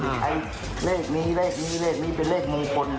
ไม่งั้นเธอไม่เห็น